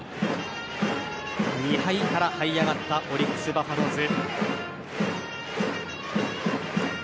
２敗からはい上がったオリックス・バファローズ。